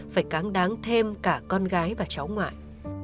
phải cáng đáng thêm cả con gái và cháu ngoại